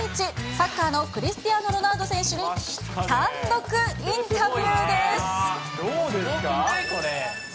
サッカーのクリスティアーノ・ロナウド選手に単独インタビューです。